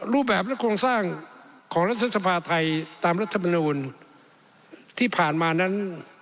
รูปแบบและโครงสร้างของรัฐสภาไทยตามรัฐมนูลที่ผ่านมานั้น